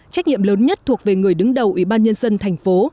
trách nhiệm lớn nhất thuộc về người đứng đầu ủy ban nhân dân thành phố